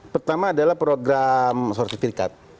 pertama adalah program sertifikat